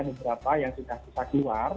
beberapa yang sudah bisa keluar